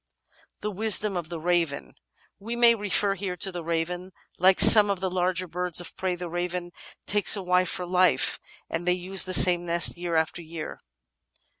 §6 The Wisdom of the Raven We may refer here to the Raven. Like some of the larger birds of prey, the Raven takes a wife for life, and they use the same nest year after year.